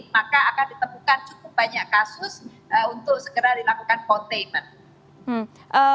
maka akan ditemukan cukup banyak kasus untuk segera dilakukan containment